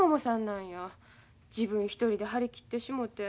自分一人で張り切ってしもて。